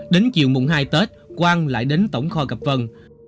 đến chiều mùng hai tết quang lại đến tổng kho gặp vân